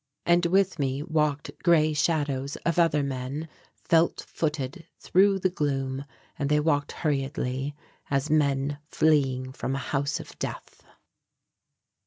And with me walked grey shadows of other men, felt footed through the gloom, and they walked hurriedly as men fleeing from a house of death.